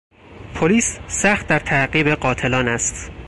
پلیس سخت در تعقیب قاتلان است.